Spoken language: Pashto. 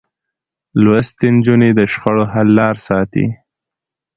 لوستې نجونې د شخړو حل لارې ساتي.